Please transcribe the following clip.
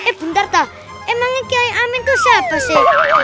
eh bentar tau emangnya kiai amin tuh siapa sih